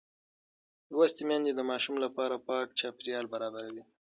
لوستې میندې د ماشوم لپاره پاک چاپېریال برابروي.